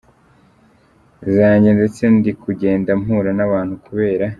Zanjye ndetse ndi kugenda mpura n’abantu kubera.